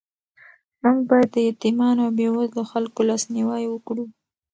موږ باید د یتیمانو او بېوزلو خلکو لاسنیوی وکړو.